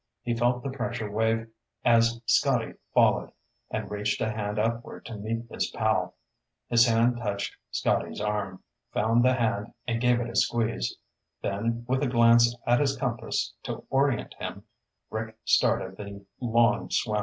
He felt the pressure wave as Scotty followed and reached a hand upward to meet his pal. His hand touched Scotty's arm, found the hand, and gave it a squeeze. Then, with a glance at his compass to orient him, Rick started the long swim.